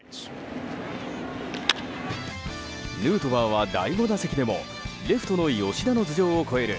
ヌートバーは第５打席でもレフトの吉田の頭上を越える